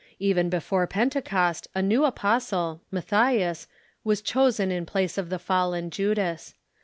Even before Pente cost a new apostle, Matthias, was chosen in place of the fallen Judas.